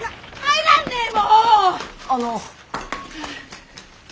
あの。